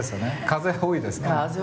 風多いですね。